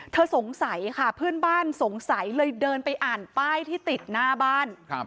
สงสัยค่ะเพื่อนบ้านสงสัยเลยเดินไปอ่านป้ายที่ติดหน้าบ้าน